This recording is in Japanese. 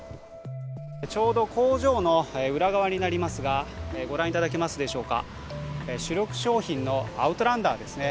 ちょうど工場の裏側になりますが、ご覧いただけますでしょうか主力商品のアウトランダーですね。